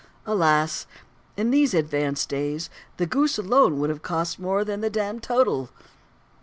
Alas! In these advanced days the goose alone would cost more than the "demmed total."